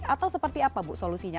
atau seperti apa bu solusinya